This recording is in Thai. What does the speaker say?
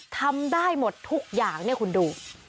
ทำได้หมดทุกอย่างเนี่ยคุณดู